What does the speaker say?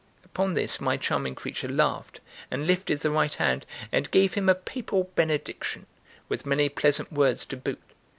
Upon this my charming creature laughed, and lifted the right hand and gave him a papal benediction, with many pleasant words to boot.